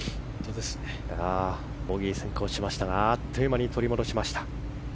ボギー先行しましたがあっという間に取り戻しました。